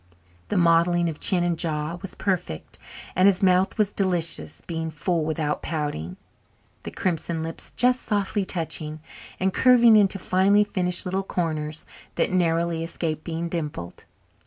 The modelling of chin and jaw was perfect and his mouth was delicious, being full without pouting, the crimson lips just softly touching, and curving into finely finished little corners that narrowly escaped being dimpled.